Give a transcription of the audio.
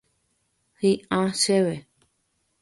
Hi'ã chéve.